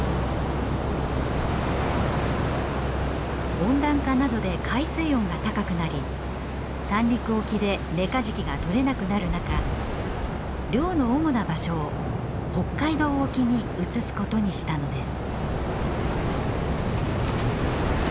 温暖化などで海水温が高くなり三陸沖でメカジキがとれなくなる中漁の主な場所を北海道沖に移すことにしたのです。